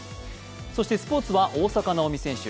そしてスポーツは大坂なおみ選手。